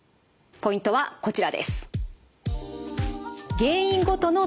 ポイントはこちらです。